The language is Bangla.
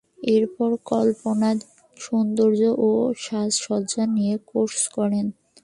এরপর কল্পনা সৌন্দর্য ও সাজসজ্জা নিয়ে কোর্স করেন।